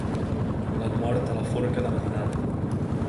L'han mort a la forca de matinada.